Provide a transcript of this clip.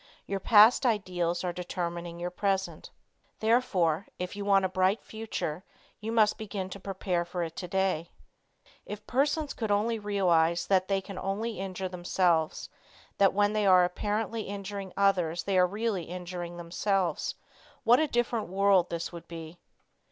Your past ideals are determining your present. Therefore, if you want a bright future, you must begin to prepare for it today. If persons could only realize that they can only injure themselves, that when they are apparently injuring others they are really injuring themselves, what a different world this would be!